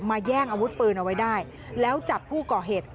แย่งอาวุธปืนเอาไว้ได้แล้วจับผู้ก่อเหตุ